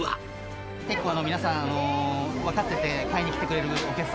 結構皆さん、分かってて、買いに来てくれるお客様